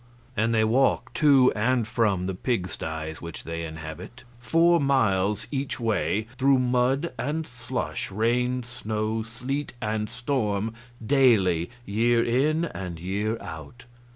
And they walk to and from the pigsties which they inhabit four miles each way, through mud and slush, rain, snow, sleet, and storm, daily, year in and year out.